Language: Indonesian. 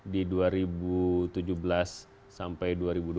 di dua ribu tujuh belas sampai dua ribu dua puluh